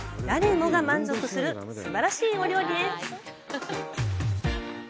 誰もが満足するすばらしいお料理です。